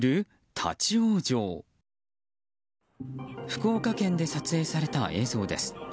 福岡県で撮影された映像です。